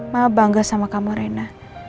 mah bangga sama kamu rena